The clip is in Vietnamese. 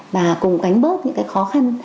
và cùng cánh bớt những cái khó khăn